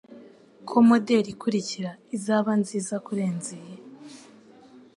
ko moderi ikurikira izaba nziza kurenza iyi